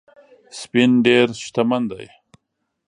سپین ډېر شتمن دی